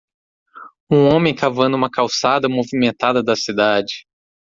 Um homem cavando uma calçada movimentada da cidade.